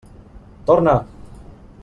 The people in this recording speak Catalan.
Torna!